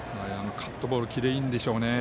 カットボールキレいいんでしょうね。